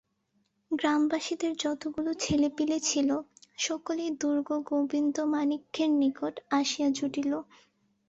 গ্রামবাসীদের যতগুলো ছেলেপিলে ছিল, সকলেই দুর্গে গোবিন্দমাণিক্যের নিকটে আসিয়া জুটিল।